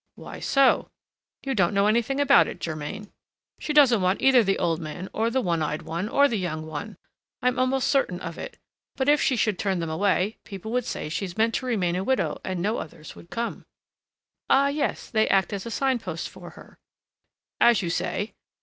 "Why so? you don't know anything about it, Germain. She doesn't want either the old man or the one eyed one or the young one, I'm almost certain of it; but if she should turn them away, people would say she meant to remain a widow and no others would come." "Ah, yes! they act as a sign post for her!" "As you say.